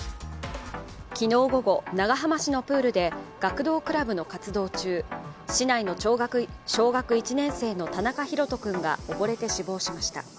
昨日午後、長浜市のプールで学童クラブの活動中、市内の小学１年生の田中大翔君が溺れて死亡しました。